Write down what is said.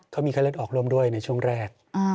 เขามีไข้เลือดออกร่วมด้วยในช่วงแรก